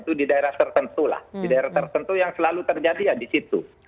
itu di daerah tertentu lah di daerah tertentu yang selalu terjadi ya di situ